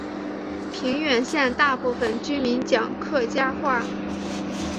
平远县大部分居民讲客家话。